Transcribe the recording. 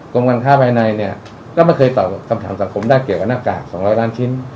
กรมการค้าภายในก็ไม่เคยตอบเกี่ยวกับคำถามสัมคมได้เกี่ยวกับหน้ากาก๒๐๐ล้านชิ้น